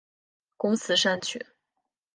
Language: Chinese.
工词善曲。